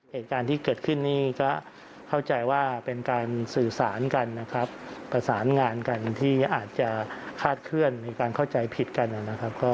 เหตุการณ์ที่เกิดขึ้นนี่ก็เข้าใจว่าเป็นการสื่อสารกันนะครับประสานงานกันที่อาจจะคาดเคลื่อนมีการเข้าใจผิดกันนะครับ